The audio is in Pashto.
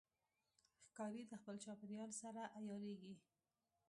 ښکاري د خپل چاپېریال سره عیارېږي.